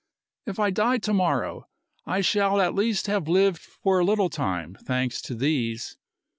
If I die to morrow, I shall at least have lived for a little time, thanks to these.